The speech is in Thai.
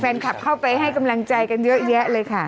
แฟนคลับเข้าไปให้กำลังใจกันเยอะแยะเลยค่ะ